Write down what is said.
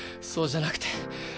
そうじゃなくて。